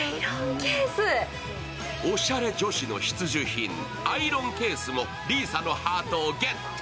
おしゃれ女子の必需品、アイロンケースも里依紗のハートをゲット。